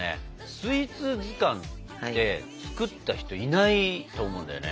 スイーツ図鑑って作った人いないと思うんだよね。